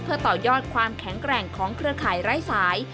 เพื่อต่อยอดความแข็งแกร่งของเครือข่ายไร้สาย